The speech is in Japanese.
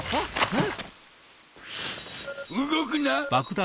動くな。